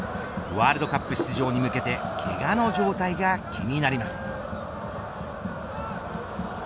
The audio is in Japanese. ワールドカップ出場に向けてけがの状態が気になります。